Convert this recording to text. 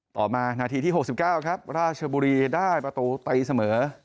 ต่อมานาทีที่๖๙ครับราชบุรีได้ประตูตีเสมอ